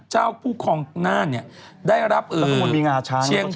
เจ้าผู้ครองน่านเนี่ยได้รับเชียงตุ่ม